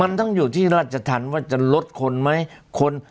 มันต้องอยู่ที่ราชธรรมว่าจะลดคนไหม